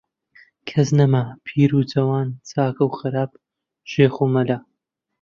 کەس نەما، پیر و جەوان، چاک و خراپ، شێخ و مەلا